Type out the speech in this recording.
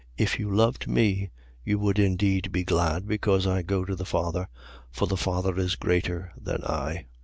If you loved me you would indeed be glad, because I go to the Father: for the Father is greater than I.